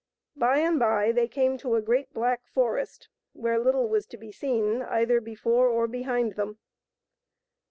By and by they came to a great black forest where little was to be seen either before or behind them.